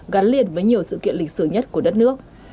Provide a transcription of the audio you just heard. gắn liền với nhiều sự kiện lịch sử nhất của đất nước